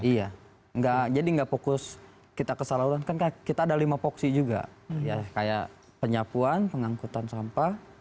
iya jadi nggak fokus kita ke saluran kan kita ada lima poksi juga ya kayak penyapuan pengangkutan sampah